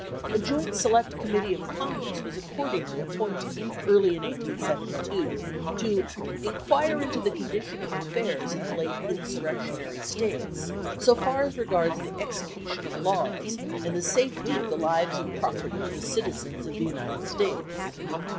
A Joint Select Committee of Congress was accordingly appointed, early in 1872, to "inquire into the condition of affairs in the late insurrectionary States, so far as regards the execution of the laws and the safety of the lives and property of the citizens of the United States."